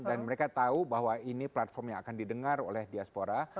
dan mereka tahu bahwa ini platform yang akan didengar oleh diaspora